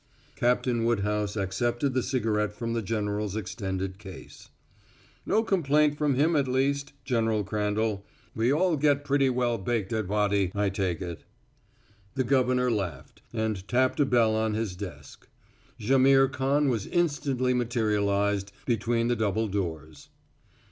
Captain Woodhouse accepted the cigarette from the general's extended case. "No complaint from him at least, General Crandall. We all get pretty well baked at Wady, I take it." The governor laughed, and tapped a bell on his desk. Jaimihr Khan was instantly materialized between the double doors.